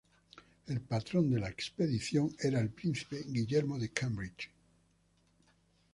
El patrón de la expedición era el príncipe Guillermo de Cambridge.